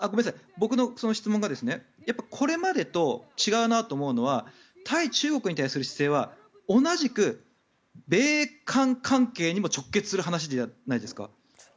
僕の質問がこれまでと違うなと思うのが対中国に対する姿勢は同じく米韓関係にも直結する話じゃないですか。